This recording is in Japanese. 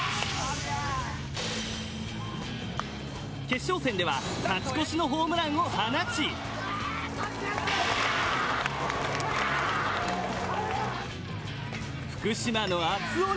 決勝戦では勝ち越しのホームランを放ち、やー！